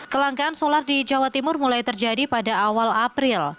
kelangkaan solar di jawa timur mulai terjadi pada awal april